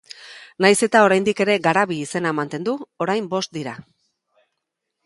Nahiz eta oraindik ere Garabi izena mantendu, orain bost dira.